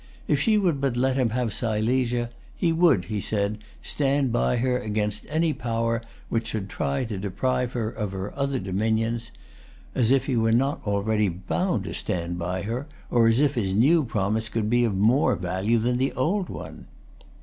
If she would but let him have Silesia, he would, he said, stand by her against any power which should try to deprive her of her other dominions; as if he was not already bound to stand by her, or as if his new promise could be of more value than the old one.